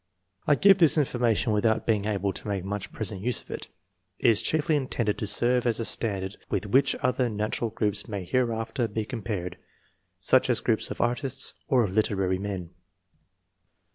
I give this information without being able to make much present use of it. It is chiefly intended to serve as a standard with which other natural groups may hereafter be compared, such as groups of artists or of literary men.